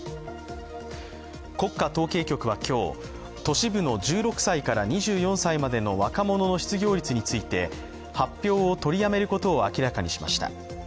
国家統計局は今日、都市部の１６歳から２４歳までの若者の失業率について、発表を取りやめることを明らかにしました。